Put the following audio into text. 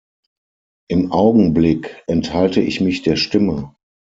Im Augenblick enthalte ich mich der Stimme.